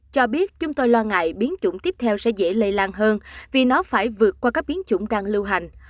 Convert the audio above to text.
cho biết chúng tôi lo ngại biến chủng tiếp theo sẽ dễ lây lan hơn vì nó phải vượt qua các biến chủng đang lưu hành